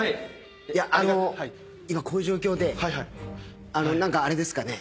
あの今こういう状況で何かあれですかね？